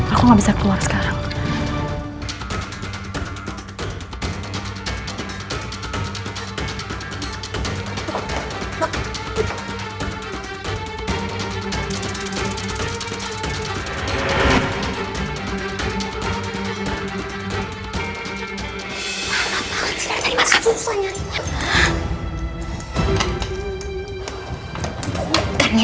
aku gak bisa keluar sekarang